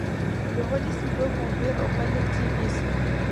Le holisme peut conduire au collectivisme.